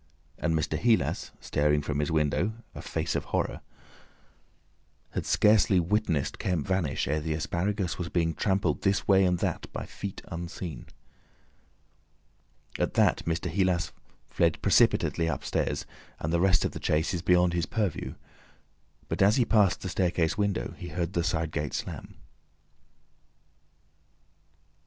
And Mr. Heelas staring from his window—a face of horror—had scarcely witnessed Kemp vanish, ere the asparagus was being trampled this way and that by feet unseen. At that Mr. Heelas fled precipitately upstairs, and the rest of the chase is beyond his purview. But as he passed the staircase window, he heard the side gate slam.